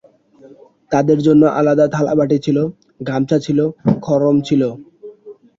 তাদের জন্যে আলাদা থালাবাটি ছিল, গামছা ছিল, খড়ম ছিল।